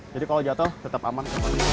jadi kalau jatuh tetap aman